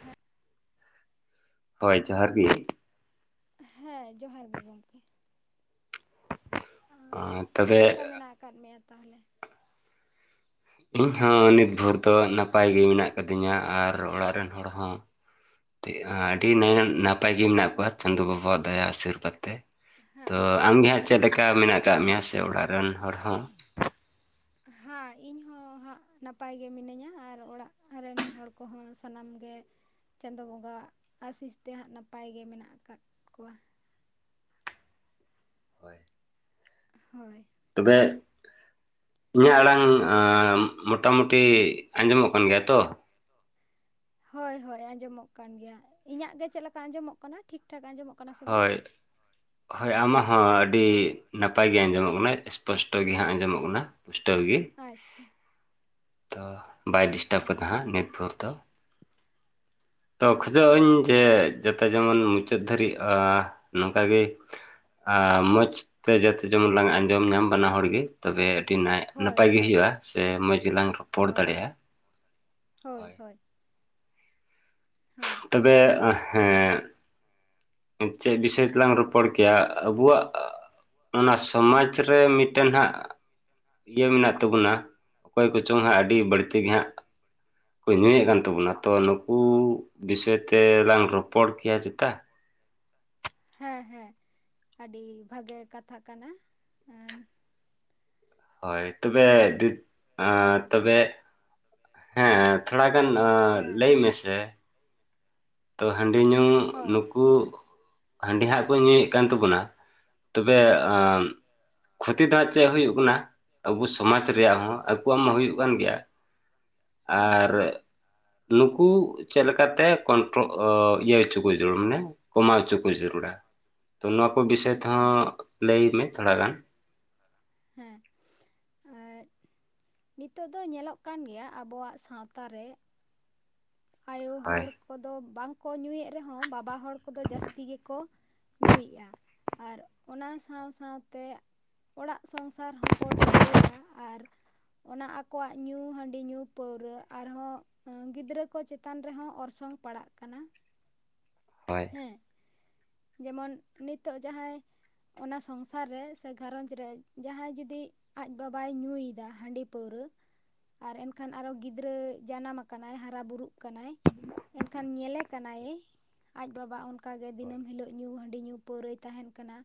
ᱦᱮᱸ ᱦᱳᱭ ᱡᱚᱦᱟᱨ ᱜᱮ, ᱦᱮᱸ, ᱡᱚᱦᱟᱨ ᱜᱮ ᱜᱚᱢᱠᱮ᱾ ᱚ ᱪᱮᱫ ᱛᱚᱵᱮ ᱞᱮᱠᱟ ᱢᱮᱱᱟᱜ ᱟᱠᱟᱫ ᱢᱮᱭᱟ ᱛᱟᱦᱚᱞᱮ᱾ ᱤᱧ ᱦᱚᱸ ᱱᱤᱛ ᱵᱷᱳᱨ ᱫᱚ ᱱᱟᱯᱟᱭ ᱜᱮ ᱦᱮᱱᱟᱜ ᱟᱠᱟᱫᱤᱧᱟ ᱟᱨ ᱚᱲᱟᱜ ᱨᱮᱱ ᱦᱚᱲ ᱦᱚᱸ᱾ ᱟᱹᱰᱤ ᱱᱟᱭᱦᱟᱱ ᱱᱟᱯᱟᱭ ᱜᱮ ᱢᱮᱱᱟᱜ᱾ ᱪᱟᱸᱫᱩ ᱵᱟᱵᱟ ᱫᱟᱭᱟ ᱟᱥᱤᱨᱵᱟᱫᱽ ᱛᱮ ᱛᱚ ᱟᱢᱜᱮ ᱦᱟᱜ᱾ ᱪᱮᱫ ᱞᱮᱠᱟ ᱢᱮᱱᱟᱜ ᱟᱠᱟᱫ ᱢᱮᱭᱟ ᱥᱮ ᱚᱲᱟᱜ ᱨᱮᱱ ᱦᱚᱲ ᱦᱚ᱾ [unintelligible] ᱦᱟᱸ ᱤᱧ ᱦᱚᱸ ᱦᱟᱸᱜ ᱱᱟᱯᱟᱭ ᱜᱮ ᱢᱤᱱᱟᱹᱧᱟ ᱟᱨ ᱚᱲᱟᱜ ᱨᱮᱱ ᱦᱚᱲ᱾ ᱠᱚᱦᱚᱸ ᱥᱟᱱᱟᱢ ᱜᱮ᱾ ᱪᱟᱸᱫᱩ ᱵᱚᱸᱜᱟᱣᱟᱜ ᱟᱥᱤᱥ ᱛᱮ ᱦᱟᱸᱜ ᱱᱟᱯᱟᱭ ᱜᱮ ᱢᱮᱱᱟᱜ ᱟᱠᱟᱫ ᱠᱚᱣᱟ᱾ ᱦᱳᱭ᱾ ᱦᱳᱭ᱾ ᱛᱚᱵᱮ ᱤᱧᱟᱜ ᱟᱲᱟᱝ ᱟᱸᱻ ᱢᱚᱴᱟ ᱢᱩᱴᱤ ᱟᱸᱡᱚᱢᱚᱜ ᱠᱟᱱ ᱜᱮᱭᱟ ᱛᱚ? ᱦᱳᱭ ᱦᱳᱭ ᱟᱸᱡᱚᱢᱚᱜ ᱠᱟᱱ ᱜᱮᱭᱟ ᱤᱧᱟᱜ ᱜᱮ ᱪᱮᱜ ᱪᱮᱜ ᱞᱮᱠᱟ ᱟᱸᱡᱚᱢᱚᱜ ᱠᱟᱱᱟ ᱴᱷᱤᱠ ᱴᱷᱟᱠ ᱟᱸᱡᱚᱢᱚᱜ ᱠᱟᱱᱟ ᱥᱮ ᱵᱟᱝ? ᱦᱳᱭ ᱦᱳᱭ ᱟᱢᱟᱜ ᱦᱚᱸ ᱟᱹᱰᱤ ᱱᱟᱯᱟᱭ ᱜᱤ ᱟᱸᱡᱚᱢᱚᱜ ᱠᱟᱱᱟ ᱤᱥᱯᱚᱥᱴᱚ ᱜᱤ ᱦᱟᱸᱜ ᱟᱸᱡᱚᱢᱚᱜ ᱠᱟᱱᱟ᱾ ᱯᱩᱥᱴᱟᱹᱣ ᱜᱤ, ᱟᱪᱪᱷᱟ ᱛᱚ ᱵᱟᱭ ᱰᱤᱥᱴᱟᱵᱽ ᱠᱟᱫᱟ ᱦᱟᱸᱜ ᱧᱤᱛ ᱵᱷᱩᱨ ᱫᱚ ᱛᱚ ᱠᱷᱚᱡᱚᱜ ᱟᱹᱧ ᱟᱪᱪᱷᱟ ᱡᱮ ᱡᱟᱛᱮ ᱡᱮᱢᱚᱱ ᱢᱩᱪᱟᱹᱫ ᱫᱷᱟᱹᱨᱤᱡ ᱟᱻ ᱱᱚᱝ ᱠᱟᱜᱮ ᱟ ᱢᱚᱡᱽ ᱛᱮ ᱡᱟᱛᱮ ᱡᱚᱢᱚᱱ ᱞᱟᱝ ᱟᱸᱡᱚᱢ ᱧᱟᱢ ᱵᱟᱱᱟ ᱦᱚᱲ ᱜᱤ ᱛᱚᱵᱮ ᱟᱹᱰᱤ ᱱᱟᱭ ᱦᱳᱭ ᱱᱟᱯᱟᱭ ᱜᱮ ᱦᱳᱭ ᱦᱩᱭᱩᱜᱼᱟ ᱥᱮ ᱢᱚᱸᱡᱽ ᱜᱮᱞᱟᱝ ᱨᱚᱯᱚᱲ ᱦᱳᱭ ᱫᱟᱲᱮᱜᱼᱟ᱾ ᱦᱳᱭ, ᱦᱳᱭ ᱦᱳᱭ ᱛᱚᱵᱮ ᱟ ᱦᱮᱸ ᱪᱮᱜ ᱵᱤᱥᱚᱭ ᱛᱮᱞᱟᱝ ᱨᱚᱯᱚᱲ ᱠᱮᱭᱟ, ᱟᱵᱚᱣᱟᱜ ᱚᱱᱟ ᱥᱚᱢᱟᱡᱽ ᱨᱮ ᱢᱤᱜᱴᱟᱱ ᱦᱟᱸᱜ ᱤᱭᱟᱹ ᱢᱮᱱᱟᱜ ᱛᱟᱵᱩᱱᱟ ᱚᱠᱚᱭ ᱠᱩᱪᱚᱝ ᱦᱟᱸᱜ ᱟᱹᱰᱤ ᱵᱟᱹᱲᱛᱤ ᱜᱮ ᱦᱟᱸᱜ ᱠᱚ ᱧᱩᱼᱭᱮᱜ ᱠᱟᱱ ᱛᱟᱵᱩᱱᱟ ᱛᱚ ᱱᱩᱠᱩ ᱵᱤᱥᱚᱭ ᱛᱮᱞᱟᱝ ᱨᱚᱯᱚᱲ ᱠᱮᱭᱟ ᱪᱮᱛᱟ? ᱦᱮᱸ ᱦᱮᱸ ᱟᱹᱰᱤ ᱵᱷᱟᱜᱮ ᱠᱟᱛᱷᱟ ᱠᱟᱱᱟ ᱮᱸᱱ ᱦᱳᱭ ᱛᱚᱵᱮ ᱟᱻ ᱛᱚᱵᱮ ᱦᱮᱸ ᱛᱷᱚᱲᱟᱜᱟᱱ ᱟᱸ ᱞᱟᱹᱭ ᱢᱮᱥᱮ? ᱛᱚ ᱦᱟᱺᱰᱤ ᱧᱩ ᱦᱳᱭ ᱱᱩᱠᱩ ᱦᱟᱺᱰᱤ ᱦᱟᱸᱜ ᱠᱚ ᱧᱩᱭᱮᱜ ᱠᱟᱱ ᱛᱟᱵᱚᱱᱟ ᱛᱩᱵᱮ ᱟᱸᱻᱢ ᱠᱷᱚᱛᱤ ᱫᱚ ᱦᱟᱸᱜ ᱪᱮᱜ ᱦᱩᱭᱩᱜ ᱠᱟᱱᱟ ᱟᱵᱚ ᱥᱚᱢᱟᱡᱽ ᱨᱮᱭᱟᱜ ᱦᱚᱸ ᱟᱠᱚᱣᱟᱜ ᱢᱟ ᱦᱩᱭᱩᱜ ᱠᱟᱱ ᱜᱮᱭᱟ ᱦᱮᱸ ᱟᱨ ᱱᱩᱠᱩ ᱪᱮᱜ ᱞᱮᱠᱟᱛᱮ ᱠᱚᱱᱴᱨᱳ ᱤᱭᱟᱹ ᱦᱚᱪᱩ ᱠᱚ ᱡᱟᱹᱨᱩᱲ ᱢᱟᱱᱮ ᱠᱚᱢᱟᱣ ᱚᱪᱚ ᱠᱚ ᱡᱟᱹᱨᱩᱲᱟ ᱛᱚ ᱱᱚᱣᱟ ᱠᱚ ᱵᱤᱥᱚᱭ ᱦᱩᱸ ᱛᱮᱦᱚᱸ ᱦᱩᱸ ᱞᱟᱹᱭ ᱢᱮ ᱛᱷᱚᱲᱟᱜᱟᱱ ᱦᱮᱸ ᱟᱨ ᱱᱤᱛᱚᱜ ᱫᱚ ᱧᱮᱞᱚᱜ ᱠᱟᱱ ᱜᱮᱭᱟ ᱟᱵᱚᱣᱟᱜ ᱥᱟᱶᱛᱟ ᱨᱮ ᱟᱭᱳ ᱦᱳᱭ ᱦᱚᱲ ᱠᱚᱫᱚ ᱵᱟᱝᱠᱚ ᱧᱩᱭᱮᱜ ᱨᱮᱦᱚᱸ ᱵᱟᱵᱟ ᱦᱚᱲ ᱠᱚᱫᱚ ᱡᱟᱹᱥᱛᱤ ᱜᱮᱠᱚ ᱧᱩᱭᱮᱜ-ᱟ᱾ ᱟᱨ ᱚᱱᱟ ᱥᱟᱶ ᱥᱟᱶᱛᱮ ᱚᱲᱟᱜ ᱥᱚᱝᱥᱟᱨ ᱦᱚᱸᱠᱚ ᱰᱷᱤᱞᱟᱹᱣᱮᱜᱼᱟ ᱟᱨ ᱚᱱᱟ ᱟᱠᱚᱣᱟᱜ ᱧᱩ ᱦᱟᱺᱰᱤ ᱧᱩ ᱯᱟᱹᱣᱨᱟᱹ ᱟᱨᱦᱚᱸ ᱜᱤᱫᱽᱨᱟᱹ ᱠᱚ ᱪᱮᱛᱟᱱ ᱨᱮᱦᱚᱸ ᱚᱨᱥᱚᱝ ᱯᱟᱲᱟᱜ ᱠᱟᱱᱟ ᱦᱳᱭ ᱦᱮᱸ ᱡᱮᱢᱚᱱ ᱱᱤᱛᱚᱜ ᱡᱟᱦᱟᱸᱭ ᱚᱱᱟ ᱥᱚᱝᱥᱟᱨ ᱨᱮ ᱥᱮ ᱜᱷᱟᱨᱚᱸᱡᱽ ᱨᱮ ᱡᱟᱦᱟᱸᱭ ᱡᱩᱫᱤ ᱟᱡ ᱵᱟᱵᱟᱭ ᱧᱩᱭᱮᱫᱟ ᱦᱟᱺᱰᱤ ᱯᱟᱹᱣᱨᱟᱹ ᱟᱨ ᱮᱱᱠᱷᱟᱱ ᱟᱨᱚ ᱜᱤᱫᱽᱨᱟᱹ ᱡᱟᱱᱟᱢ ᱟᱠᱟᱱᱟᱭ ᱦᱟᱨᱟ ᱵᱩᱨᱩᱜ ᱠᱟᱱᱟᱭ ᱮᱱᱠᱷᱟᱱ ᱧᱮᱞᱮ ᱠᱟᱱᱟᱭ ᱟᱡ ᱵᱟᱵᱟ ᱚᱱᱠᱟᱜᱮ ᱦᱳᱭ ᱫᱤᱱᱟᱹᱢ ᱦᱤᱞᱳᱜ ᱧᱩ ᱦᱟᱺᱰᱤ ᱧᱩ ᱯᱟᱹᱣᱨᱟᱹ ᱛᱟᱦᱮᱱ ᱠᱟᱱᱟ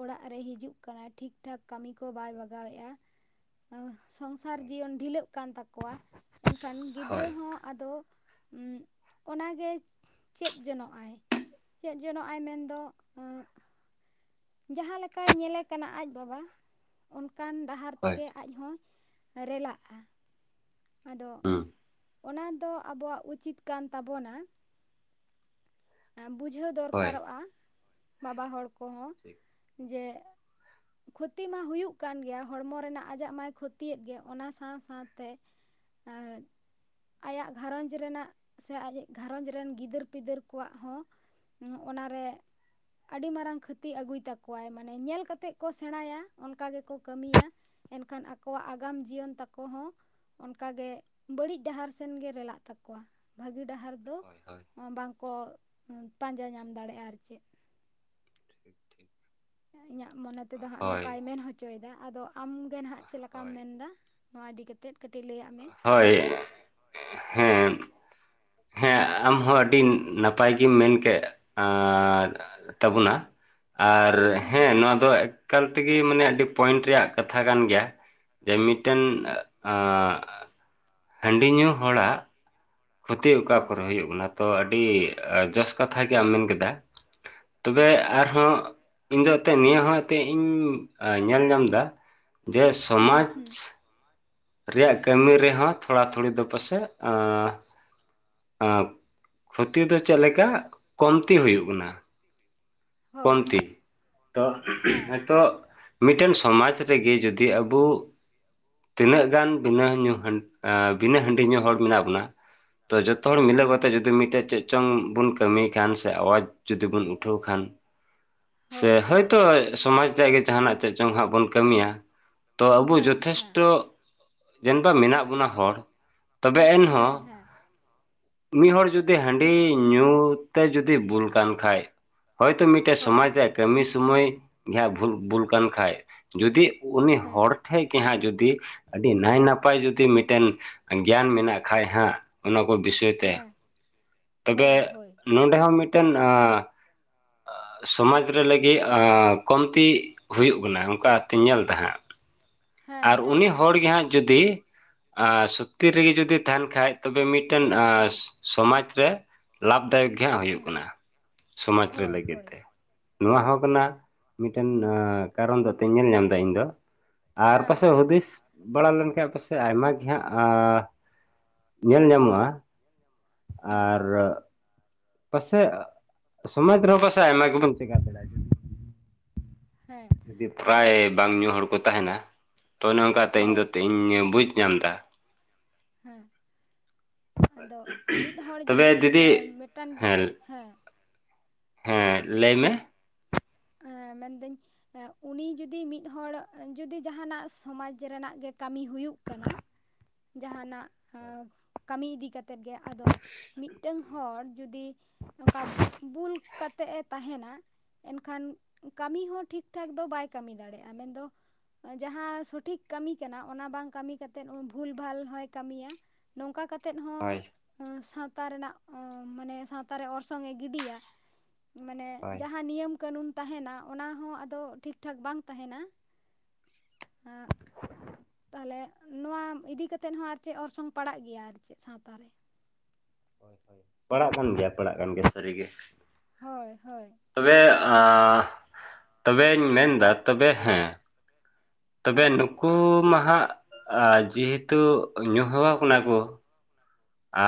ᱚᱲᱟᱜ ᱨᱮ ᱦᱤᱡᱩᱜ ᱠᱟᱱᱟᱭ ᱴᱷᱤᱠ ᱴᱷᱟᱠ ᱠᱟᱹᱢᱤ ᱠᱚ ᱵᱟᱭ ᱵᱟᱜᱟᱣᱮᱜᱼᱟ ᱥᱚᱝᱥᱟᱨ ᱦᱳᱭ ᱡᱤᱭᱚᱱ ᱰᱷᱤᱞᱟᱹᱜ ᱠᱟᱱ ᱛᱟᱠᱚᱣᱟ ᱮᱱᱠᱷᱟᱱ ᱜᱤᱫᱽᱨᱟᱹ ᱦᱳᱭ ᱦᱚᱸ ᱟᱫᱚ ᱚᱱᱟᱜᱮ ᱪᱮᱫ ᱡᱚᱱᱚᱜᱼ ᱟᱭ ᱪᱮᱫ ᱡᱚᱱᱚᱜ ᱟᱭ ᱢᱮᱱᱫᱚ ᱡᱟᱦᱟᱸ ᱞᱮᱠᱟᱭ ᱧᱮᱞᱮ ᱠᱟᱱᱟ ᱟᱡ ᱵᱟᱵᱟ ᱚᱱᱠᱟᱱ ᱰᱟᱦᱟᱨ ᱦᱳᱭ ᱛᱮᱜᱮ ᱟᱡ ᱦᱚᱸᱭ ᱨᱮᱞᱟᱜᱼᱟ ᱟᱫᱚ ᱦᱩᱸ ᱚᱱᱟ ᱫᱚ ᱟᱵᱚᱣᱟᱜ ᱩᱪᱤᱛ ᱠᱟᱱ ᱛᱟᱵᱚᱱᱟ ᱵᱩᱡᱷᱟᱹᱣ ᱦᱳᱭ ᱫᱚᱨᱠᱟᱨᱚᱜ-ᱟ ᱵᱟᱵᱟ ᱦᱚᱲ ᱠᱚᱦᱚᱸ ᱴᱷᱤᱠ ᱡᱮ, ᱠᱷᱚᱛᱤ ᱢᱟ ᱦᱩᱭᱩᱜ ᱠᱟᱱ ᱜᱮᱭᱟ ᱦᱚᱲᱢᱚ ᱨᱮᱱᱟᱜ ᱟᱡᱟᱜ ᱢᱟᱭ ᱠᱷᱚᱛᱤ ᱭᱮᱫ ᱜᱮ, ᱚᱱᱟ ᱥᱟᱶ ᱥᱟᱶᱛᱮ ᱮᱸᱫ ᱟᱭᱟᱜ ᱜᱷᱟᱨᱚᱸᱡᱽ ᱨᱮᱱᱟᱜ ᱥᱮ ᱟᱡ ᱜᱷᱟᱨᱚᱸᱡᱽ ᱨᱮᱱ ᱜᱤᱫᱟᱹᱨ ᱯᱤᱫᱟᱹᱨ ᱠᱚᱣᱟᱜ ᱦᱚᱸ ᱦᱩᱸ, ᱚᱱᱟᱨᱮ ᱟᱹᱰᱤ ᱢᱟᱨᱟᱝ ᱠᱷᱟᱹᱛᱤ ᱟᱹᱜᱩᱭ ᱛᱟᱠᱚᱣᱟᱭ ᱢᱟᱱᱮ ᱧᱮᱞ ᱠᱟᱛᱮᱜ ᱠᱚ ᱥᱮᱬᱟᱭᱟ ᱚᱱᱠᱟ ᱜᱮᱠᱚ ᱠᱟᱹᱢᱤᱭᱟ᱾ ᱮᱱᱠᱷᱟᱱ ᱟᱠᱚᱣᱟᱜ ᱟᱜᱟᱢ ᱡᱤᱭᱚᱱ ᱛᱟᱠᱚ ᱦᱚᱸ᱾ ᱚᱱᱠᱟᱜᱮ ᱵᱟᱹᱲᱤᱡ ᱰᱟᱦᱟᱨ ᱥᱮᱱᱜᱮ ᱨᱮᱞᱟᱜ ᱛᱟᱠᱚᱣᱟ ᱵᱷᱟᱹᱜᱤ ᱰᱟᱦᱟᱨ ᱫᱚ ᱦᱳᱭ ᱦᱳᱭ ᱵᱟᱝ᱾ ᱠᱚ ᱯᱟᱸᱡᱟ ᱧᱟᱢ ᱫᱟᱲᱮᱭᱟᱜ-ᱟ ᱟᱨ ᱪᱮᱫ᱾ ᱴᱷᱤᱠ ᱴᱷᱤᱠ ᱤᱧᱟᱹᱜ ᱢᱚᱱᱮ ᱛᱮᱫᱚ ᱦᱟᱸᱜ ᱦᱳᱭ ᱱᱚᱝᱠᱟᱭ ᱢᱮᱱ ᱦᱚᱪᱚᱭᱮᱫᱟ ᱟᱫᱚ ᱟᱢᱜᱮ ᱱᱟᱜ ᱪᱮᱫ ᱞᱮᱠᱟᱢ ᱦᱳᱭ ᱢᱮᱱᱫᱟ? ᱱᱚᱣᱟ ᱤᱫᱤ ᱠᱟᱛᱮᱫ ᱠᱟᱹᱴᱤᱡ ᱞᱟᱹᱟᱭᱟᱜ ᱢᱮ᱾ ᱦᱳᱭ, ᱦᱩᱸ᱾ ᱦᱮᱸ ᱟᱢᱦᱚᱸ ᱟᱹᱰᱤ ᱱᱟᱯᱟᱭ ᱜᱮᱢ ᱢᱮᱱᱠᱮᱜ ᱟᱨ ᱛᱟᱵᱚᱱᱟ ᱟᱨ ᱟᱨ ᱦᱩᱸ ᱦᱮᱸ ᱱᱚᱣᱟ ᱫᱚ ᱮᱠᱟᱞ ᱛᱮᱜᱮ ᱢᱟᱱᱮ ᱟᱹᱰᱤ ᱯᱚᱭᱮᱱᱴ ᱨᱮᱭᱟᱜ ᱠᱟᱛᱷᱟ ᱠᱟᱱ ᱜᱮᱭᱟ ᱡᱮ ᱢᱤᱫ ᱢᱤᱫᱴᱮᱱ ᱦᱩᱸ ᱟᱸᱻ ᱦᱟᱺᱰᱤ ᱧᱩ ᱦᱚᱲᱟᱜ ᱠᱷᱚᱛᱤ ᱚᱠᱟ ᱦᱳᱭ ᱠᱚᱨᱮ ᱦᱩᱭᱩᱜ ᱠᱟᱱᱟ ᱛᱚ ᱟᱹᱰᱤ ᱡᱚᱥ ᱠᱟᱛᱷᱟ ᱜᱮ ᱟᱢ ᱢᱮᱱ ᱠᱮᱫᱟ᱾ ᱛᱚᱵᱮ ᱦᱮᱸ ᱟᱨᱦᱚᱸ ᱤᱧ ᱫᱚ ᱮᱱᱛᱮᱫ ᱱᱤᱭᱟᱹ ᱦᱚᱸ ᱮᱱᱛᱮᱫ ᱤᱧ ᱧᱮᱞ ᱧᱟᱢᱫᱟ᱾ ᱡᱮ ᱦᱩᱸ ᱥᱚᱢᱟᱡᱽ ᱦᱩᱸ ᱨᱮᱭᱟᱜ ᱠᱟᱹᱢᱤ ᱨᱮᱦᱚᱸ ᱛᱷᱚᱲᱟ ᱛᱷᱩᱲᱤ ᱫᱚ ᱯᱟᱥᱮᱡ ᱮᱸᱻ ᱟᱸ, ᱠᱷᱚᱛᱤ ᱫᱚ ᱪᱮᱫ ᱞᱮᱠᱟ ᱠᱚᱢᱛᱤ ᱦᱩᱭᱩᱜ ᱠᱟᱱᱟ᱾ ᱦᱳᱭ ᱠᱚᱢᱛᱤ, ᱦᱳᱭ ᱛᱚ ᱦᱮᱸ ᱦᱮᱸ ᱱᱤᱛᱚᱜ ᱢᱤᱫᱴᱮᱱ ᱥᱚᱢᱟᱡᱽ ᱨᱮᱜᱮ ᱡᱩᱫᱤ ᱟᱵᱚ ᱛᱤᱱᱟᱹᱜ ᱜᱟᱱ ᱵᱤᱱᱟᱹ ᱧᱩ ᱦᱟᱹᱱ, ᱟᱸᱻ ᱵᱤᱱᱟᱹ ᱦᱟᱺᱰᱤ ᱧᱩ ᱦᱚᱲ ᱢᱮᱱᱟᱜ ᱵᱚᱱᱟ᱾ ᱛᱚ ᱡᱚᱛᱷᱚ ᱦᱚᱲ ᱦᱮᱸ ᱢᱤᱞᱟᱹᱣ ᱦᱮᱸ ᱠᱟᱛᱮ ᱡᱩᱫᱤ ᱢᱤᱫᱴᱮᱡ ᱪᱮᱫ ᱪᱚᱝ ᱵᱚᱱ ᱠᱟᱹᱢᱤ ᱠᱷᱟᱱ ᱥᱮ ᱟᱣᱟᱡᱽ ᱡᱩᱫᱤ ᱵᱚᱱ ᱩᱴᱷᱟᱹᱣ ᱠᱷᱟᱱ᱾ ᱥᱮ ᱦᱳᱭ ᱦᱳᱭ ᱦᱳᱭᱛᱚ ᱥᱚᱢᱟᱡᱽ ᱨᱮᱭᱟᱜ ᱜᱮ ᱡᱟᱸᱦᱟᱱᱟᱜ ᱪᱮᱫ ᱪᱚᱝ ᱦᱟᱸᱜ ᱵᱚᱱ ᱠᱟᱹᱢᱤᱭᱟ᱾ ᱛᱚ ᱟᱵᱚ ᱦᱮᱸ ᱦᱮᱸ ᱡᱚᱛᱷᱮᱥᱴᱚ [unintelligible] ᱢᱮᱱᱟᱜ ᱵᱚᱱᱟ ᱦᱚᱲ᱾ ᱛᱚᱵᱮ ᱮᱱᱦᱚᱸ᱾ ᱦᱮᱸ ᱦᱮᱸ ᱢᱤᱫ ᱦᱚᱲ ᱡᱩᱫᱤ ᱦᱟᱺᱰᱤ ᱧᱩ ᱛᱮ ᱡᱩᱫᱤ ᱵᱩᱞ ᱠᱟᱱ ᱠᱷᱟᱡ᱾ ᱦᱚᱭᱛᱳ ᱢᱤᱫᱴᱮᱡ ᱥᱚᱢᱟᱡᱽ ᱦᱳᱭ ᱨᱮᱭᱟᱜ ᱠᱟᱹᱢᱤ ᱥᱚᱢᱚᱭ ᱜᱮ ᱦᱟᱸᱜ ᱵᱷᱩᱞ, ᱵᱩᱞ ᱠᱟᱱ ᱠᱷᱟᱡ᱾ ᱡᱩᱫᱤ ᱩᱱᱤ ᱦᱮᱸ ᱦᱚᱲ ᱴᱷᱮᱡ ᱜᱮ ᱦᱟᱸᱜ ᱡᱩᱫᱤ ᱟᱹᱰᱤ ᱱᱟᱭ ᱱᱟᱯᱟᱭ ᱡᱩᱫᱤ ᱢᱤᱫᱴᱮᱱ ᱜᱮᱭᱟᱱ ᱢᱮᱱᱟᱜ ᱠᱷᱟᱡ ᱦᱟᱸᱜ ᱚᱱᱟ ᱠᱚ ᱵᱤᱥᱚᱭ ᱛᱮ᱾ ᱦᱮᱸ ᱛᱚᱵᱮ ᱦᱳᱭ ᱦᱳᱭ ᱱᱚᱰᱮ ᱦᱚᱸ ᱢᱤᱫᱴᱮᱱ ᱟᱸᱻ ᱥᱚᱢᱟᱡᱽ ᱨᱮ ᱞᱟᱹᱜᱤᱫ ᱟᱸᱻ ᱠᱚᱢᱛᱤ ᱦᱩᱭᱩᱜ ᱠᱟᱱᱟ ᱚᱝᱠᱟ ᱛᱤᱧ ᱧᱮᱞᱫᱟ ᱦᱟᱸᱜ᱾ ᱦᱮᱸ ᱟᱨ ᱦᱮᱸ ᱩᱱᱤ ᱦᱮᱸ ᱦᱚᱲ ᱜᱮ ᱦᱟᱸᱜ ᱡᱩᱫᱤ ᱟᱸᱻ ᱥᱚᱛᱤ ᱨᱮᱜᱮ ᱡᱩᱫᱤ ᱛᱟᱸᱦᱮᱱ ᱠᱷᱟᱡ ᱛᱚᱵᱮ ᱢᱤᱫᱴᱮᱱ ᱟᱸᱻ ᱦᱮᱸ ᱥᱚᱢᱟᱡ ᱨᱮ ᱞᱟᱵᱷ ᱫᱟᱭᱚᱠ ᱜᱮ ᱦᱟᱸᱜ ᱦᱩᱭᱩᱜ ᱦᱮᱸ ᱠᱟᱱᱟ ᱥᱚᱢᱟᱡᱽ ᱨᱮ ᱦᱳᱭ ᱞᱟᱹᱜᱤᱫ ᱦᱳᱭ ᱛᱮ ᱱᱚᱣᱟ ᱦᱮᱸ ᱦᱚᱸ ᱠᱟᱱᱟ᱾ ᱢᱤᱫᱴᱮᱱ ᱠᱟᱨᱚᱱ ᱠᱟᱛᱮᱧ ᱧᱮᱞ ᱧᱟᱢᱫᱟ, ᱤᱧᱫᱚ ᱟᱨ ᱦᱮᱸ ᱯᱟᱥᱮᱡ ᱦᱮᱸ ᱦᱩᱫᱤᱥ ᱵᱟᱲᱟ ᱞᱮᱱᱠᱷᱟᱡ ᱯᱟᱥᱮᱡ ᱟᱭᱢᱟ ᱜᱮ ᱦᱟᱸᱜ ᱟᱸᱻ ᱧᱮᱞ ᱧᱟᱢᱚᱜ-ᱟ᱾ ᱦᱮᱸ ᱟᱨ ᱯᱟᱥᱮᱜ, ᱥᱚᱢᱟᱡᱽ ᱨᱮᱦᱚᱸ ᱯᱟᱥᱮᱡ ᱟᱭᱢᱟ ᱜᱮᱵᱚᱱ ᱪᱮᱠᱟ ᱫᱟᱲᱮᱭᱟᱜ-ᱟ᱾ ᱦᱮᱸ ᱡᱩᱫᱤ ᱯᱨᱟᱭ ᱟᱨ ᱵᱟᱝ ᱧᱩ ᱦᱚᱲ ᱠᱚ ᱛᱟᱸᱦᱮᱱᱟ, ᱛᱚ ᱚᱱᱮ ᱚᱱᱠᱟᱛᱮ ᱦᱳᱭ ᱤᱧᱫᱚᱧ ᱤᱧ ᱵᱩᱡᱽ ᱧᱟᱢᱫᱟ᱾ ᱦᱮᱸ ᱟᱫᱚ ᱢᱤᱫ ᱦᱚᱲ ᱛᱚᱵᱮ ᱡᱩᱫᱤ ᱫᱤᱫᱤ ᱮᱸ ᱢᱤᱫᱴᱟᱱ ᱦᱮᱸ᱾ ᱦᱮᱸ, ᱞᱟᱹᱭ ᱢᱮ᱾ ᱦᱮᱸ ᱢᱮᱱᱫᱟᱹᱧ᱾ ᱮᱸ ᱩᱱᱤ ᱡᱩᱫᱤ ᱢᱤᱫ ᱦᱚᱲ ᱡᱩᱫᱤ ᱡᱟᱸᱦᱟᱱᱟᱜ ᱥᱚᱢᱟᱡᱽ ᱨᱮᱱᱟᱜ ᱜᱮ ᱠᱟᱢᱤ ᱦᱩᱭᱩᱜ ᱠᱟᱱᱟ᱾ ᱡᱟᱦᱟᱱᱟᱜ ᱠᱟᱢᱤ ᱤᱫᱤ ᱠᱟᱛᱮᱛ ᱜᱮ ᱟᱫᱚ ᱢᱤᱜᱴᱟᱹᱝ᱾ ᱦᱚᱲ ᱡᱩᱫᱤ ᱚᱱᱠᱟ ᱵᱩᱞ ᱠᱟᱛᱮᱜ ᱮ ᱛᱟᱦᱮᱱᱟ᱾ ᱠᱷᱟᱱ ᱠᱟᱢᱤ ᱦᱚᱸ ᱴᱷᱤᱠ ᱴᱷᱟᱠ ᱫᱚ ᱵᱟᱭ ᱠᱟᱢᱤ ᱫᱟᱲᱮᱜ-ᱟ ᱢᱮᱱᱫᱚ᱾ ᱡᱟᱸᱦᱟ ᱥᱚᱴᱷᱤᱠ ᱠᱟᱢᱤ ᱠᱟᱱᱟ ᱚᱱᱟ ᱵᱟᱝ ᱠᱟᱢᱤ ᱠᱟᱛᱮᱫ ᱵᱷᱩᱞᱵᱷᱟᱞ ᱦᱚᱸᱭ ᱠᱟᱢᱤᱭᱟ᱾ ᱱᱚᱝᱠᱟ ᱠᱟᱛᱮᱫ ᱦᱳᱭ ᱦᱚᱸ ᱥᱟᱶᱛᱟ ᱨᱮᱱᱟᱜ ᱢᱟᱱᱮ ᱥᱟᱶᱛᱟ ᱨᱮ ᱚᱨᱥᱚᱝ ᱮ ᱜᱤᱰᱤᱭᱟ᱾ ᱢᱟᱱᱮ ᱦᱳᱭ ᱡᱟᱸᱦᱟ ᱱᱤᱭᱟᱹᱢ᱾ ᱠᱟᱹᱱᱩᱱ ᱛᱟᱦᱮᱱᱟ ᱚᱱᱟ ᱦᱚᱸ ᱟᱫᱚ ᱴᱷᱤᱠ ᱴᱷᱟᱠ ᱵᱟᱝ ᱛᱟᱦᱮᱱᱟ᱾ ᱞᱮ ᱱᱚᱣᱟ ᱤᱫᱤ ᱠᱟᱛᱮᱫ ᱦᱚᱸ ᱟᱨ ᱪᱮᱜ ᱚᱨᱥᱚᱝ ᱯᱟᱲᱟᱜ ᱜᱮᱭᱟ ᱟᱨ ᱪᱮᱫ ᱥᱟᱶᱛᱟ ᱨᱮ᱾ [inaudible] ᱯᱟᱲᱟᱜ ᱠᱟᱱ ᱜᱮᱭᱟ ᱯᱟᱲᱟᱜ ᱠᱟᱱ ᱜᱮᱭᱟ ᱥᱟᱹᱨᱤᱜᱮ᱾ ᱦᱚᱭ ᱦᱚᱭ᱾ ᱛᱚᱵᱮ ᱟᱻ ᱛᱚᱵᱮᱧ ᱢᱮᱱᱫᱟ ᱛᱚᱵᱮ ᱦᱮᱸ᱾ ᱛᱚᱵᱮ ᱦᱮᱸ ᱱᱩᱠᱩ ᱢᱟ ᱦᱟᱸᱜ ᱡᱮᱦᱮᱛᱩ ᱧᱩ ᱦᱮᱣᱟᱣ ᱠᱟᱱᱟ ᱠᱩ᱾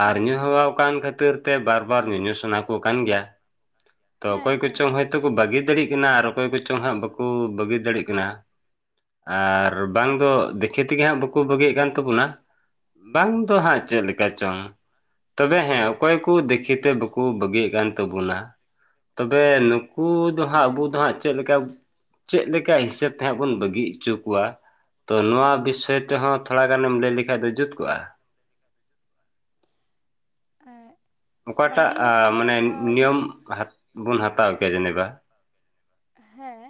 ᱟᱨ ᱦᱮᱸ ᱧᱩ ᱦᱮᱣᱟᱣ ᱠᱟᱱ ᱠᱷᱟᱹᱛᱤᱨ ᱛᱮ ᱵᱟᱨ ᱵᱟᱨ ᱧᱩᱧᱩ ᱥᱟᱱᱟ ᱠᱩ ᱠᱟᱱ ᱜᱮᱭᱟ᱾ ᱛᱚ ᱦᱮᱸ ᱚᱠᱚᱭ ᱦᱮᱸ ᱠᱚᱪᱚᱝ ᱦᱚᱭᱛᱳ ᱠᱩ ᱵᱟᱹᱜᱤ ᱫᱟᱲᱤᱜ ᱠᱟᱱᱟ ᱟᱨ ᱚᱠᱚᱭ ᱠᱚᱪᱚᱝ ᱦᱟᱸᱜ ᱵᱟᱠᱩ ᱵᱟᱹᱜᱤ ᱫᱟᱲᱤᱜ ᱠᱟᱱᱟ᱾ ᱟᱨ ᱵᱟᱝ ᱫᱚ ᱫᱮᱠᱷᱮ ᱛᱮᱜᱮ ᱦᱟᱸᱜ ᱵᱟᱹᱠᱩ ᱵᱟᱹᱜᱤᱭᱮᱜ ᱠᱟᱱ ᱛᱟᱵᱩᱱᱟ᱾ ᱵᱟᱝ ᱫᱚ ᱦᱟᱸᱜ ᱪᱮᱜ ᱞᱮᱠᱟ ᱪᱚᱝ᱾ ᱛᱚᱵᱮ ᱦᱮᱸ ᱚᱠᱚᱭ ᱠᱩ ᱫᱮᱠᱷᱮ ᱛᱮ ᱵᱟᱹᱠᱩ ᱵᱟᱹᱜᱤᱭᱮᱜ ᱠᱟᱱ ᱛᱟᱹᱵᱩᱱᱟ᱾ ᱛᱚᱵᱮ ᱱᱩᱠᱩ ᱫᱚ ᱦᱟᱸᱜ ᱦᱮᱸ ᱟᱵᱚᱩ ᱫᱚ ᱦᱮᱸ ᱦᱟᱸᱜ᱾ ᱪᱮᱜ ᱞᱮᱠᱟ ᱪᱮᱜ ᱞᱮᱠᱟ ᱦᱤᱥᱟᱹᱵᱽ ᱛᱮᱦᱟᱸᱜ ᱵᱩᱱ ᱵᱟᱹᱜᱤ ᱚᱪᱩ ᱠᱚᱣᱟ᱾ ᱛᱚ ᱱᱚᱣᱟ ᱵᱤᱥᱚᱭ ᱛᱮᱦᱚᱸ ᱛᱷᱚᱲᱟ ᱜᱟᱱᱮᱢ ᱞᱟᱹᱭ ᱞᱮᱠᱷᱟᱡ ᱫᱚ ᱡᱩᱛ ᱠᱚᱜ-ᱟ᱾ [unintelligible] ᱚᱠᱟᱴᱟᱜ ᱵᱟᱹᱜᱤ ᱟᱻ ᱦᱚᱪᱚ ᱫᱚ ᱢᱟᱱᱮ ᱱᱤᱭᱚᱢ ᱵᱩᱱ ᱦᱟᱛᱟᱣ ᱠᱮᱭᱟ ᱡᱮᱱᱮᱵᱟ᱾ ᱦᱮᱸ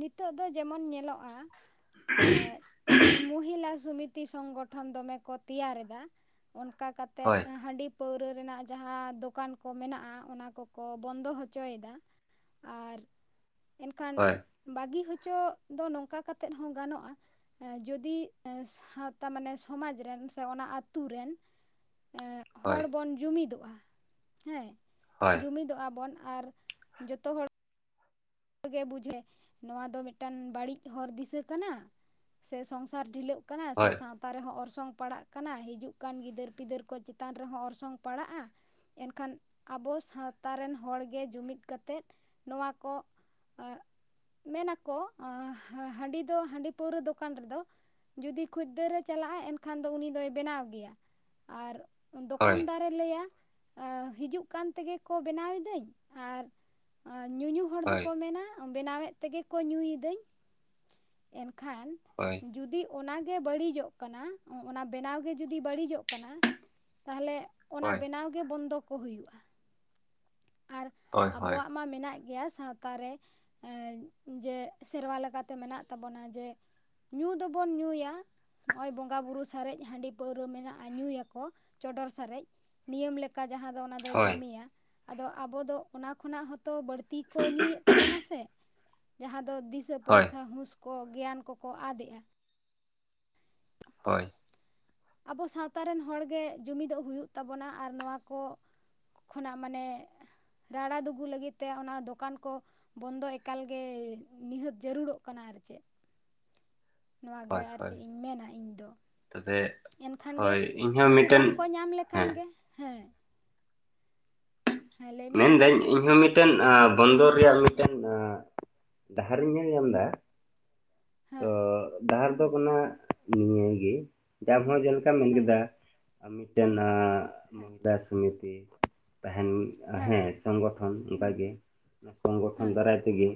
ᱱᱤᱛᱚᱜ ᱫᱚ ᱡᱮᱢᱚᱱ ᱧᱮᱞᱚᱜ-ᱟ ᱮᱸ ᱢᱩᱦᱤᱞᱟ ᱥᱚᱢᱤᱛᱤ ᱥᱚᱝᱜᱚᱴᱷᱚᱱ ᱫᱚᱢᱮ ᱠᱚ ᱛᱮᱭᱟᱨ ᱮᱫᱟ ᱚᱱᱠᱟ ᱠᱟᱛᱮᱫ ᱦᱳᱭ ᱦᱟᱺᱰᱤ᱾ ᱯᱟᱹᱣᱨᱟᱹ ᱨᱮᱱᱟᱜ ᱡᱟᱸᱦᱟ ᱫᱚᱠᱟᱱ ᱠᱚ ᱢᱮᱱᱟᱜ-ᱟ ᱚᱱᱟ ᱠᱚᱠᱚ ᱵᱚᱱᱫᱚ ᱦᱚᱪᱚᱭᱮᱫᱟ᱾ ᱟᱨ ᱮᱱᱠᱷᱟᱱ ᱦᱳᱭ ᱵᱟᱜᱤ ᱦᱚᱪᱚ ᱫᱚ ᱱᱚᱝᱠᱟ ᱠᱟᱛᱮᱫ ᱦᱚᱸ ᱜᱟᱱᱚᱜ-ᱟ᱾ ᱡᱚᱫᱤ ᱥᱟᱶᱛᱟ ᱢᱟᱱᱮ ᱥᱚᱢᱟᱡᱽ ᱨᱮᱱ ᱥᱮ ᱚᱱᱟ ᱟᱛᱩ ᱨᱮᱱ᱾ ᱮᱸᱜ ᱦᱳᱭ ᱦᱚᱲ ᱵᱚᱱ ᱡᱩᱢᱤᱫᱚᱜ-ᱟ ᱦᱮᱸ ᱦᱳᱭ ᱡᱩᱢᱤᱫᱚᱜ-ᱟ ᱵᱚᱱ ᱟᱨ᱾ ᱡᱚᱛᱚ ᱦᱚᱲ᱾ ᱜᱮ ᱵᱩᱡᱷᱮ ᱱᱚᱣᱟ ᱫᱚ ᱢᱤᱜᱴᱟᱹᱝ ᱵᱟᱲᱤᱡ ᱦᱚᱨ ᱫᱤᱥᱟᱹ ᱠᱟᱱᱟ ᱥᱮ ᱥᱚᱸᱝᱥᱟᱨ ᱰᱷᱤᱞᱟᱹᱜ᱾ ᱠᱟᱱᱟ ᱥᱮ ᱦᱳᱭ ᱥᱟᱶ ᱛᱟ ᱨᱮᱦᱚᱸ ᱚᱨᱥᱚᱝ ᱯᱟᱲᱟᱜ ᱠᱟᱱᱟ ᱦᱤᱡᱩᱜ ᱠᱟᱱ ᱜᱤᱫᱟᱹᱨ ᱯᱤᱫᱟᱹᱨ ᱠᱚ ᱪᱮᱛᱟᱱ ᱨᱮᱦᱚᱸ ᱚᱨᱥᱚᱝ ᱯᱟᱲᱟᱜ-ᱟ᱾ ᱮᱱᱠᱷᱟᱱ ᱟᱵᱚ ᱥᱟᱶᱛᱟ ᱨᱮᱱ ᱦᱚᱲ ᱜᱮ ᱡᱩᱢᱤᱫ ᱠᱟᱛᱮᱫ ᱱᱚᱣᱟ ᱠᱚ᱾ ᱢᱮᱱ ᱟᱠᱚ ᱦᱟᱺᱰᱤ ᱫᱚ ᱦᱟᱺᱰᱤ ᱯᱟᱹᱣᱨᱟᱹ ᱫᱚᱠᱟᱱ ᱨᱮᱫᱚ᱾ ᱡᱩᱫᱤ ᱠᱷᱩᱭᱫᱟᱹᱨᱮ ᱪᱟᱞᱟᱜ-ᱟ ᱮᱱᱠᱷᱟᱱ ᱫᱚ ᱩᱱᱤ ᱫᱚᱭ ᱵᱮᱱᱟᱣ ᱜᱮᱭᱟ ᱟᱨ ᱦᱳᱭ ᱫᱚᱠᱟᱱᱫᱟᱨ᱾ ᱞᱟᱹᱭᱟ ᱦᱤᱡᱩᱜ ᱠᱟᱱ ᱛᱮᱜᱮ ᱠᱚ ᱵᱮᱱᱟᱣ ᱮᱫᱟᱹᱧ ᱟᱨ ᱧᱩ ᱧᱩ ᱦᱚ ᱦᱳᱭ ᱠᱚ ᱢᱮᱱᱟ ᱵᱮᱱᱟᱣᱮᱫ ᱛᱮᱜᱮ ᱠᱚ ᱧᱩᱭ ᱮᱫᱟᱹᱧ᱾ ᱮᱱᱠᱷᱟᱱ᱾ ᱦᱳᱭ᱾ ᱡᱩᱫᱤ ᱚᱱᱟᱜᱮ ᱵᱟᱹᱲᱤᱡᱚᱜ ᱠᱟᱱᱟ ᱚᱱᱟ ᱵᱮᱱᱟᱣ ᱜᱮ ᱡᱩᱫᱤ ᱵᱟᱹᱲᱤᱡᱚᱜ ᱠᱟᱱᱟ᱾ ᱛᱟᱦᱞᱮ ᱚᱱᱟ ᱦᱳᱭ ᱵᱮᱱᱟᱣᱜᱮ ᱵᱚᱱᱫᱚ ᱠᱚ ᱦᱩᱭᱩᱜ-ᱟ᱾ ᱟᱨ ᱦᱳᱭ ᱦᱳᱭ ᱦᱳᱭ ᱟᱵᱚᱣᱟᱜ ᱢᱟ ᱢᱮᱱᱟᱜ ᱜᱮᱭᱟ ᱥᱟᱶ ᱛᱟᱨᱮ ᱮ ᱡᱮ ᱥᱮᱨᱣᱟ ᱞᱮᱠᱟᱛᱮ ᱢᱮᱱᱟᱜ ᱛᱟᱵᱚᱱᱟ ᱡᱮ ᱧᱩ ᱫᱚᱵᱚᱱ ᱧᱩᱭᱟ ᱱᱚᱜᱼᱚᱭ ᱵᱚᱸᱜᱟ ᱵᱩᱨᱩ ᱥᱟᱨᱮᱡ ᱦᱟᱹᱰᱤ ᱯᱟᱹᱣᱨᱟᱹ ᱢᱮᱱᱟᱜᱼᱟ ᱧᱩᱭᱟᱠᱚ ᱪᱚᱰᱚᱨ ᱥᱟᱨᱮᱡ᱾ ᱱᱤᱭᱚᱢ ᱞᱮᱠᱟ ᱡᱟᱦᱟᱸ ᱫᱚ ᱚᱱᱟ ᱫᱚᱭ ᱠᱟᱹᱢᱤᱭᱟ ᱟᱫᱚ ᱟᱵᱚ ᱫᱚ ᱚᱱᱟ ᱠᱷᱚᱱᱟᱜ ᱦᱚᱸᱚ ᱛᱚ ᱵᱟᱹᱲᱛᱤ ᱠᱚ ᱧᱩᱭᱮᱫ ᱛᱟᱵᱚᱱᱟ ᱥᱮ ᱡᱟᱦᱟᱸ ᱫᱚ ᱫᱤᱥᱟᱹ ᱦᱳᱭ ᱯᱚᱭᱥᱟ ᱦᱩᱥ ᱠᱚ ᱜᱮᱭᱟᱱ ᱠᱚᱠᱚ ᱟᱫᱮᱜᱼᱟ᱾ [unintelligible] ᱦᱳᱭ᱾ ᱟᱵᱚ ᱥᱟᱶᱛᱟ ᱨᱮᱱ ᱦᱚᱲᱜᱮ ᱡᱩᱢᱤᱫᱚᱜ ᱦᱩᱭᱩᱜ ᱛᱟᱵᱚᱱᱟ ᱟᱨ ᱱᱚᱣᱟ ᱠᱚ ᱠᱷᱚᱱᱟᱜ ᱢᱟᱱᱮ ᱨᱟᱲᱟ ᱫᱩᱜᱩ ᱞᱟᱹᱜᱤᱫ ᱛᱮ ᱚᱱᱟ ᱫᱚᱠᱟᱱ ᱠᱚ ᱵᱚᱱᱫᱚ ᱮᱠᱟᱞᱜᱮ ᱱᱤᱦᱟᱹᱛ ᱡᱟᱹᱨᱩᱲᱚᱜ ᱠᱟᱱᱟ ᱟᱨ ᱪᱮᱫ᱾ ᱱᱚᱣᱟᱜᱮ ᱦᱳᱭ ᱟᱨ ᱦᱳᱭ ᱪᱮᱫ ᱤᱧ ᱢᱮᱱᱟ ᱤᱧ ᱫᱚ᱾ ᱛᱚᱵᱮ ᱮᱱᱠᱷᱟᱱ ᱜᱮ ᱦᱳᱭ ᱤᱧᱦᱚᱸ ᱱᱩᱠᱩ ᱢᱤᱫᱴᱮᱱ ᱵᱟᱝᱠᱚ ᱧᱟᱢ ᱞᱮᱠᱷᱟᱱ ᱦᱮᱸ ᱜᱮ ᱦᱮᱸ, ᱦᱮᱸ ᱞᱟᱹᱭ ᱢᱮ ᱢᱮᱱᱫᱟᱹᱧ ᱤᱧᱦᱚᱸ ᱢᱤᱫ ᱢᱤᱫᱴᱟᱹᱝ ᱵᱚᱱᱫᱚᱨ ᱨᱮᱭᱟᱜ ᱢᱤᱫᱴᱟᱹᱝ ᱰᱟᱦᱟᱨᱤᱧ ᱧᱮᱞ ᱧᱟᱢ ᱮᱫᱟ, ᱛᱚ ᱦᱮᱸ ᱰᱟᱦᱟᱨ ᱫᱚ ᱠᱟᱱᱟ ᱱᱤᱭᱟᱹᱜᱮ [unintelligible] ᱢᱮᱱ ᱦᱮᱸ ᱠᱮᱫᱟ ᱢᱤᱫᱴᱟᱹᱱ ᱮ ᱦᱮᱸ ᱢᱩᱦᱤᱞᱟ ᱥᱚᱢᱤᱛᱤ ᱛᱟᱦᱮᱸᱱ ᱦᱮᱸ ᱥᱚᱝᱜᱚᱴᱷᱚᱱ ᱚᱱᱠᱟ ᱜᱮ ᱥᱚᱝᱜᱚᱴᱷᱚᱱ ᱦᱮᱸ ᱫᱟᱨᱟᱭ ᱛᱮᱜᱮ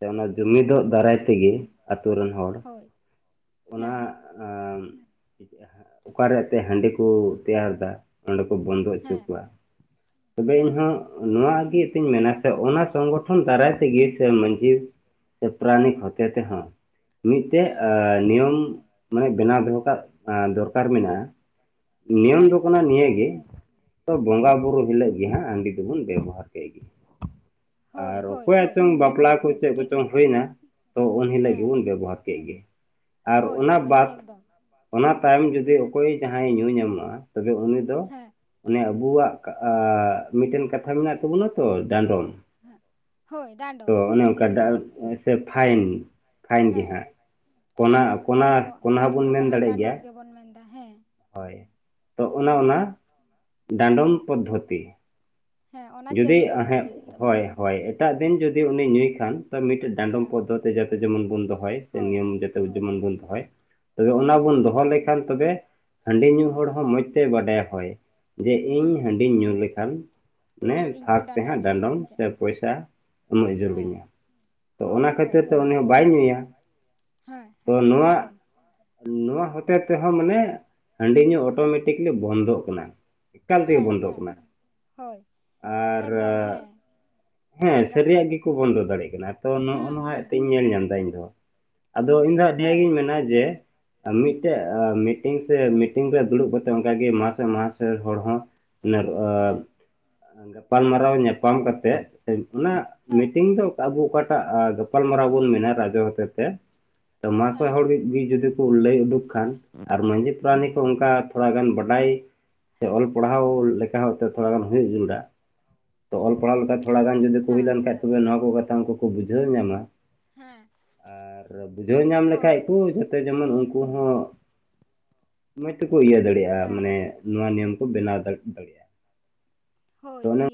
ᱥᱮ ᱚᱱᱟ ᱦᱮᱸ ᱡᱩᱢᱤᱫᱚᱜ ᱫᱟᱨᱟᱭ ᱛᱮᱜᱮ ᱟᱛᱩ ᱨᱮᱱ ᱦᱚᱲ ᱦᱳᱭ ᱚᱱᱟ ᱦᱮᱸ ᱚᱠᱟᱨᱮ ᱚᱛᱮ ᱦᱟᱹᱰᱤ ᱠᱚ ᱛᱮᱭᱟᱨ ᱫᱟ ᱚᱸᱰᱮ ᱠᱚ ᱵᱚᱱᱫᱚ ᱚᱪᱚ ᱦᱮᱸ ᱠᱚᱣᱟ᱾ ᱛᱚᱵᱮ ᱦᱮᱸ ᱤᱧᱦᱚᱸ ᱱᱚᱣᱟ ᱜᱮ ᱛᱤᱧ ᱢᱮᱱᱟ ᱥᱮ ᱚᱱᱟ ᱥᱚᱝᱜᱚᱴᱷᱚᱱ ᱫᱟᱨᱟᱭ ᱛᱮᱜᱮ ᱥᱮ ᱢᱟᱹᱡᱷᱤ ᱥᱮ ᱯᱟᱨᱟᱱᱤᱠ ᱦᱚᱛᱮ ᱛᱮᱦᱚᱸ ᱢᱤᱫᱴᱮᱡ ᱦᱮᱸ ᱮ ᱱᱤᱭᱚᱢ ᱢᱟᱱᱮ ᱵᱮᱱᱟᱣ ᱫᱚᱦᱚ ᱠᱟᱜ ᱫᱚᱨᱠᱟᱨ ᱢᱮᱱᱟᱜᱼᱟ᱾ ᱱᱤᱭᱚᱢ ᱦᱮᱸ ᱫᱚ ᱠᱟᱱᱟ ᱦᱮᱸ ᱱᱤᱭᱟᱹᱜᱮ ᱵᱚᱸᱜᱟ ᱵᱩᱨᱩ ᱦᱤᱞᱳᱜ ᱜᱮ ᱦᱟᱸᱜ ᱦᱟᱹᱰᱤ ᱫᱚᱵᱚᱱ ᱵᱮᱵᱦᱟᱨ ᱦᱳᱭ ᱟᱨ ᱦᱳᱭ ᱚᱠᱚᱭᱟᱜ ᱦᱳᱭ ᱪᱚᱝ ᱵᱟᱯᱞᱟ ᱮᱠᱫᱚᱢ ᱠᱚ ᱪᱮᱫ ᱴᱷᱤᱠ ᱠᱚᱪᱚᱝ ᱠᱟᱛᱷᱟ ᱦᱩᱭᱱᱟ, ᱛᱚ ᱩᱱ ᱦᱤᱞᱳᱜ ᱦᱮᱸ ᱜᱮᱵᱚᱱ ᱵᱮᱵᱚᱦᱟᱨ ᱠᱮᱫ ᱜᱮ ᱟᱨ ᱦᱳᱭ ᱚᱱᱟ ᱦᱳᱭ ᱵᱟᱫ ᱮᱠᱫᱚᱢ ᱚᱱᱟ ᱛᱟᱭᱚᱢ ᱡᱩᱫᱤ ᱚᱠᱚᱭ ᱡᱟᱦᱟᱸᱭ ᱧᱩ ᱧᱟᱢᱚᱟᱭ ᱛᱚᱵᱮ ᱩᱱᱤ ᱫᱚ ᱦᱮᱸ ᱚᱱᱮ ᱟᱵᱚᱣᱟᱜ ᱢᱤᱫᱴᱟᱹᱱ ᱠᱟᱛᱷᱟ ᱢᱮᱱᱟᱜ ᱠᱟᱜ ᱛᱟᱵᱚᱱᱟ ᱛᱚ ᱰᱟᱸᱰᱚᱢ ᱦᱮᱸ ᱦᱳᱭ ᱛᱚ ᱰᱟᱸᱰᱚᱢ ᱚᱱᱮ ᱴᱷᱤᱠ ᱚᱱᱠᱟ ᱜᱮ ᱥᱮ ᱯᱷᱟᱭᱤᱱ ᱯᱷᱟᱭᱤᱱ ᱜᱮ ᱦᱮᱸ ᱦᱟᱸᱜ, ᱯᱚᱱᱟ ᱦᱮᱸ ᱟᱫᱚ ᱯᱚᱱᱟ ᱟᱵᱚ ᱠᱚᱱᱟ ᱦᱚᱲ ᱦᱚᱸᱵᱚᱱ ᱛᱮᱫᱚ ᱢᱮᱱ ᱦᱟᱸᱜ ᱫᱟᱲᱮᱭᱟᱜ ᱜᱮᱭᱟ᱾ ᱰᱟᱸᱰᱚᱢ ᱜᱮᱵᱚᱱ ᱢᱮᱱᱫᱟ ᱦᱮᱸ ᱛᱚ ᱚᱱᱮ ᱦᱩᱸ ᱚᱱᱟ ᱰᱟᱸᱰᱚᱢ ᱯᱚᱫᱽᱫᱷᱚᱛᱤ ᱦᱮᱸ ᱚᱱᱟ ᱡᱩᱫᱤ ᱪᱟᱹᱞᱩ ᱫᱚᱦᱚᱭ ᱦᱮᱸ ᱦᱩᱭᱩᱜ ᱦᱳᱭ ᱛᱟᱵᱚᱱᱟ ᱦᱳᱭ ᱮᱴᱟᱜ ᱫᱤᱱ ᱡᱩᱫᱤ ᱩᱱᱤ ᱧᱩᱭ ᱠᱷᱟᱱ ᱛᱚ ᱢᱤᱫᱴᱟᱹᱝ ᱰᱟᱸᱫᱚᱢ ᱦᱮᱸ ᱯᱚᱫᱽᱷᱚᱛᱤ ᱡᱟᱛᱮ ᱡᱮᱢᱚᱱ ᱵᱚᱱ ᱫᱚᱦᱚᱭ ᱥᱮ ᱦᱳᱭ ᱱᱤᱭᱚᱢ ᱡᱟᱛᱮ ᱡᱮᱢᱚᱱ ᱵᱚᱱ ᱫᱚᱦᱚᱭ ᱛᱚᱵᱮ ᱚᱱᱟ ᱦᱮᱸ ᱵᱚᱱ ᱫᱚᱦᱚ ᱞᱮᱠᱷᱟᱱ ᱛᱚᱵᱮ ᱦᱟᱹᱰᱤ ᱧᱩ ᱦᱩᱸ ᱦᱚᱲ ᱦᱚᱸ ᱢᱚᱡᱽ ᱛᱮ ᱵᱟᱰᱟᱭᱟ ᱦᱚᱭ ᱡᱮ ᱤᱧ ᱦᱩᱸ ᱦᱟᱹᱰᱤᱧ ᱧᱩ ᱞᱮᱠᱷᱟᱱ ᱱᱮ ᱤᱧ ᱫᱷᱟᱨ ᱠᱚ ᱛᱮ ᱦᱟᱸᱜ ᱰᱟᱸᱰᱚᱢᱤᱧᱟ ᱰᱟᱸᱰᱚᱢ ᱢᱮᱱᱛᱮ ᱥᱮ ᱯᱚᱭᱥᱟ ᱮᱢᱚᱜ ᱡᱟᱹᱨᱩᱲ ᱦᱮᱸ ᱤᱧᱟ, ᱛᱚ ᱚᱱᱟ ᱦᱳᱭ ᱠᱷᱟᱹᱛᱤᱨ ᱦᱳᱭ ᱛᱮ ᱩᱱᱤ ᱦᱚᱸ ᱵᱟᱭ ᱧᱩᱸᱭᱟ ᱦᱮᱸ ᱛᱚ ᱦᱮᱸ ᱱᱚᱣᱟ ᱮᱠᱫᱚᱢ ᱱᱚᱣᱟ ᱦᱚᱛᱮᱡ ᱛᱮᱦᱚᱸ ᱢᱟᱱᱮ ᱦᱟᱹᱰᱤ ᱧᱩ ᱚᱴᱳᱢᱮᱴᱤᱠᱞᱤ ᱵᱚᱱᱫᱚᱜ ᱠᱟᱱᱟ᱾ ᱮᱠᱟᱞ ᱛᱮᱜᱮ ᱦᱮᱸ ᱵᱚᱱᱫᱚᱜ ᱦᱮᱸ ᱠᱟᱱᱟ ᱦᱳᱭ ᱟᱨ ᱮᱠᱫᱚᱢ ᱦᱮᱸ, ᱦᱮᱸ ᱜᱟᱱᱚᱜᱼᱟ ᱥᱟᱨᱤᱭᱟᱜ ᱜᱮᱠᱚ ᱵᱚᱱᱫᱚ ᱫᱟᱲᱮᱭᱟᱜ ᱠᱟᱱᱟ ᱛᱚ ᱱᱚᱜᱼᱚ ᱦᱩᱸ ᱱᱚᱣᱟ ᱦᱩᱸ ᱮᱱᱛᱮ ᱤᱧ ᱧᱮᱞ ᱧᱟᱢ ᱮᱫᱟ ᱤᱧ ᱫᱚ, ᱟᱫᱚ ᱤᱧ ᱫᱚ ᱦᱮᱸ ᱱᱤᱭᱟᱹᱜᱤᱧ ᱢᱮᱱᱟ ᱡᱮ ᱟᱨ ᱢᱤᱫᱴᱮᱜ ᱢᱤᱴᱤᱝ ᱥᱮ ᱢᱤᱴᱤᱝ ᱨᱮ ᱫᱩᱲᱩᱵ ᱠᱟᱛᱮᱫ ᱚᱱᱠᱟᱜᱮ ᱢᱟᱥᱮ ᱢᱟᱥ ᱦᱚᱲ ᱦᱚᱸ ᱧᱮᱞᱚᱜᱼᱟ ᱦᱮᱸ ᱜᱟᱯᱟᱞ ᱢᱟᱨᱟᱣ ᱧᱟᱯᱟᱢ ᱠᱟᱛᱮᱜ ᱚᱱᱟ ᱦᱮᱸ ᱢᱤᱴᱤᱝ ᱫᱚ ᱟᱵᱚ ᱚᱠᱟᱴᱟᱜ ᱜᱟᱯᱟᱞ ᱢᱟᱨᱟᱣ ᱵᱚᱱ ᱢᱮᱱᱟ ᱨᱟᱡᱚ ᱦᱚᱛᱮᱛᱮ ᱛᱚ ᱢᱟᱥᱚᱭ ᱦᱮᱸ ᱦᱚᱲ ᱜᱮ ᱜᱤ ᱡᱩᱫᱤ ᱠᱩ ᱞᱟᱹᱭ ᱩᱰᱩᱠ ᱠᱷᱟᱱ ᱟᱨ ᱢᱟᱡᱮᱫ ᱵᱟᱱᱤ ᱠᱚ ᱚᱝᱠᱟ ᱛᱷᱚᱲᱟ ᱜᱟᱱ ᱵᱟᱰᱟᱭ ᱥᱮ ᱦᱮᱸ ᱚᱞ ᱯᱟᱲᱦᱟᱣ ᱞᱮᱠᱟ ᱦᱚᱸ ᱛᱷᱚᱲᱟ ᱜᱟᱱ ᱦᱩᱭᱩᱜ ᱡᱟᱨᱩᱲᱟ ᱛᱚ ᱚᱞ ᱯᱟᱲᱦᱟᱣ ᱞᱮᱠᱟ ᱛᱷᱚᱲᱟ ᱜᱟᱱ ᱡᱩᱫᱤ ᱠᱩ ᱦᱩᱭ ᱦᱮᱸ ᱞᱮᱱ ᱠᱷᱟᱱ ᱦᱮᱸ ᱛᱚᱵᱮ ᱱᱚᱣᱟ ᱠᱚ ᱠᱟᱛᱷᱟ ᱩᱱᱠᱩ ᱠᱩ ᱵᱩᱡᱷᱟᱹᱣ ᱧᱟᱢᱟ ᱦᱮᱸ ᱾ ᱟᱨ ᱵᱩᱡᱷᱟᱹᱣ ᱧᱟᱢ ᱞᱮᱠᱷᱟᱡ ᱦᱳᱭ ᱠᱩ ᱡᱷᱚᱛ ᱛᱮ ᱡᱮᱢᱚᱱ ᱩᱱᱠᱩ ᱦᱚᱸ ᱢᱚᱡᱽ ᱛᱮᱠᱚ ᱤᱭᱟᱹ ᱫᱟᱲᱮᱭᱟᱜᱼᱟ ᱦᱮᱸ ᱢᱟᱱᱮ ᱱᱚᱣᱟ ᱱᱤᱭᱚᱢ ᱠᱚ ᱵᱮᱱᱟᱣ ᱫᱟᱲᱮᱭᱟᱜᱼᱟ ᱾ ᱦᱳᱭ ᱴᱷᱤᱠ ᱾